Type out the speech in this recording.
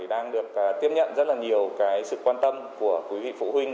đang được tiếp nhận rất là nhiều sự quan tâm của quý vị phụ huynh